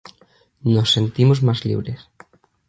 Nos sentimos más libres.